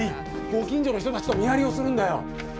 ご近所の人たちと見張りをするんだよ。